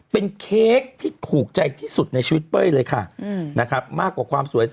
เป็นเค้กที่ผูกใจที่สุดในชีวิตเป้ยเลยค่ะ